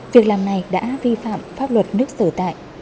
việc làm này đã vi phạm pháp luật nước sở tại